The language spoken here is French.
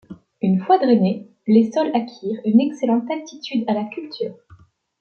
Une fois drainés, les sols acquièrent une excellente aptitude à la culture.